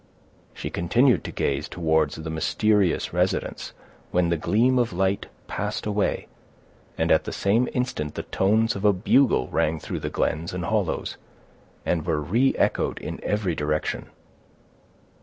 She continued to gaze towards the mysterious residence, when the gleam of light passed away, and at the same instant the tones of a bugle rang through the glens and hollows, and were reechoed in every direction.